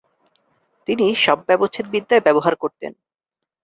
তিনি শব ব্যবচ্ছেদ বিদ্যায় ব্যবহার করতেন।